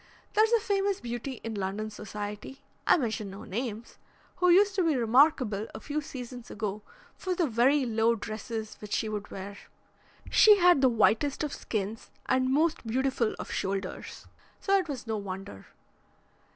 "There's a famous beauty in London society I mention no names who used to be remarkable a few seasons ago for the very low dresses which she would wear. She had the whitest of skins and most beautiful of shoulders, so it was no wonder.